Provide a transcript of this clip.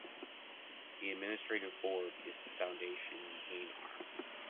The Administrative Board is the foundation main arm.